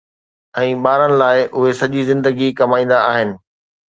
۽ ٻارن لاءِ اهي سڄي زندگي ڪمائيندا آهن